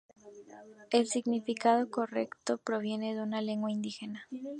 El significado correcto proviene de una lengua indígena.